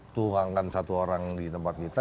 tuangkan satu orang di tempat kita